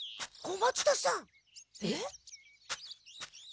えっ？